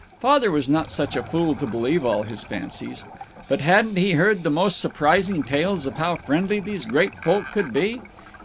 Father was not such a fool as to believe all his fancies. But hadn't he heard the most surprising tales of how friendly these great folk could be?